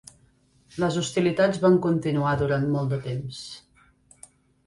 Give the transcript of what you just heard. Les hostilitats van continuar durant molt de temps.